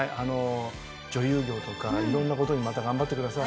女優業とかいろんなことまた頑張ってください。